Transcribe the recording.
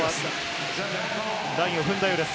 ラインを踏んだようです。